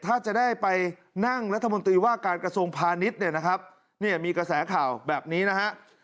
ถ้าจะได้ไปนั่งรัฐมนตรีว่าการกระทรวงพาณิชย์มีกระแสข่าวแบบนี้นะครับ